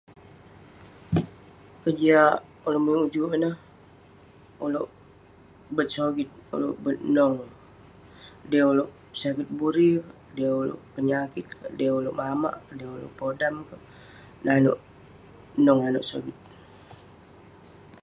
kejiak ulouk muik ujuk ineh, ulouk bet sogit, ulouk bet nong, dey ulouk sakit buri, dey ulouk penyakit ,dey ulouk mamak, dey ulouk podam ,nanouk nong nanouk sogit..